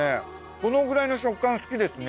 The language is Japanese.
このくらいの食感好きですね。